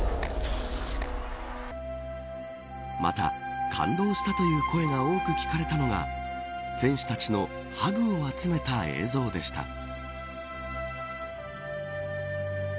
また、感動したという声が多く聞かれたのが選手たちのハグを集めた映像でした。